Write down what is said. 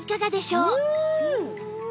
うん！